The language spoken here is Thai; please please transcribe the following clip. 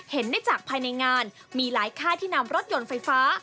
เห็นได้จากภายในงานมีหลายค่ายที่นำรถยนต์ไฟฟ้า